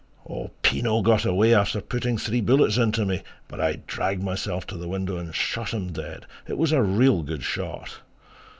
"... Pinot got away after putting three bullets into me, but I dragged myself to the window and shot him dead it was a real good shot...!"